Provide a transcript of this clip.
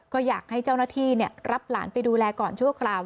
ก็อยากให้เจ้าหน้าที่รับหลานไปดูแลก่อนชั่วคราว